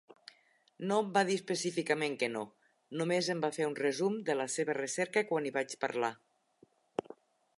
No em va dir específicament que no, només em va fer un resum de la seva recerca quan hi vaig parlar.